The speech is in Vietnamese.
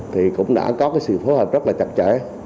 thì cũng đã có cái sự phối hợp rất là chặt chẽ